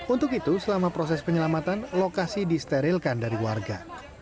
untuk itu selama proses penyelamatan lokasi disterilkan dari warga